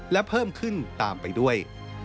และเพิ่มขึ้นตามไปด้วย